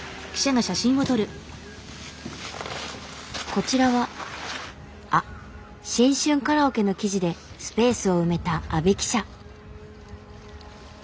こちらはあっ「新春カラオケ」の記事でスペースを埋めた阿部記者。